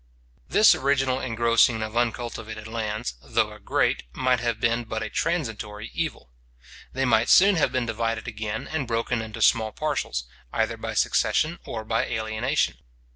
This original engrossing of uncultivated lands, though a great, might have been but a transitory evil. They might soon have been divided again, and broke into small parcels, either by succession or by alienation.